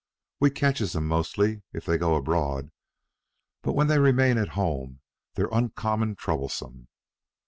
We catches 'em mostly if they go abroad; but when they remains at home they're uncommon troublesome.